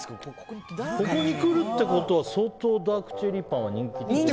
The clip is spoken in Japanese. ここに来るってことは相当、ダークチェリーパンは人気ってことだよね。